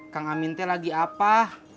kang amin teh lagi apa